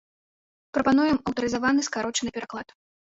Прапануем аўтарызаваны скарочаны пераклад.